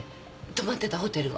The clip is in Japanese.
泊まってたホテルが。